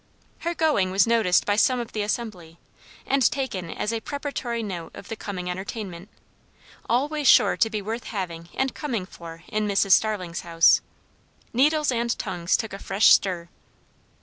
Her going was noticed by some of the assembly, and taken as a preparatory note of the coming entertainment; always sure to be worth having and coming for in Mrs. Starling's house. Needles and tongues took a fresh stir.